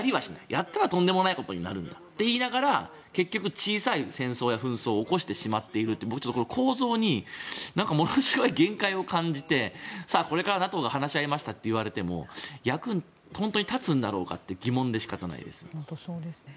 やったらとんでもないことになるんだと言いながら結局、小さい戦争や紛争を起こしてしまっているという僕、この構造にものすごい限界を感じてこれからＮＡＴＯが話し合いましたって言っても本当に役に立つんだろうかって疑問で仕方がないです。